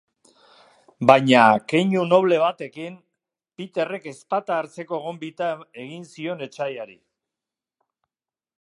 Baina, keinu noble batekin, Peterrek ezpata hartzeko gonbita egin zion etsaiari.